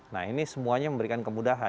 nah ini semuanya memberikan kemudahan